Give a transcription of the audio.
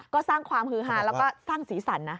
ก็สร้างความฮือฮาแล้วก็สร้างสีสันนะ